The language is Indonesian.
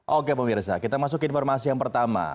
oke pemirsa kita masuk ke informasi yang pertama